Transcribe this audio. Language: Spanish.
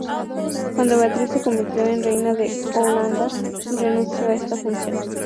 Cuando Beatriz se convirtió en reina de Holanda, renunció a esta función.